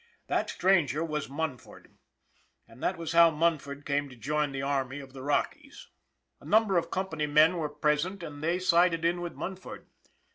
That stranger was Munford. And that was how Munford came to join the army of the Rockies. A number of the company men were present and they sided in with Munford.